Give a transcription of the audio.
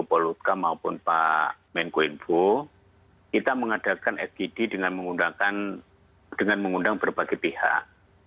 pak polutka maupun pak menko info kita mengadakan sgd dengan mengundang berbagai pihak